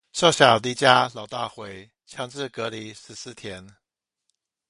少小離家老大回，強制隔離十四天